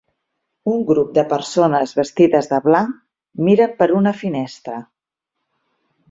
Un grup de persones vestides de blanc miren per una finestra.